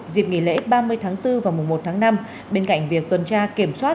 dịp nghỉ lễ ba mươi tháng bốn và mùa một tháng năm bên cạnh việc tuần tra kiểm soát